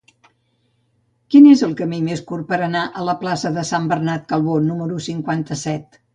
Quin és el camí més curt per anar a la plaça de Sant Bernat Calbó número cinquanta-set?